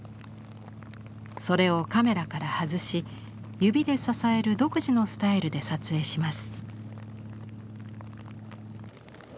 それをカメラから外し指で支える独自のスタイルで撮影します。